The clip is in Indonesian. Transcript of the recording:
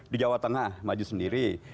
di jawa tengah maju sendiri